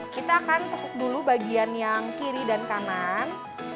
kita akan tepuk dulu bagian yang kiri dan kanan